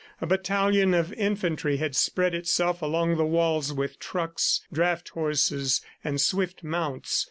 A battalion of infantry had spread itself along the walls with trucks, draught horses and swift mounts.